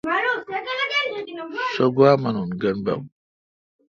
سو گوا مینون۔ گینب بب۔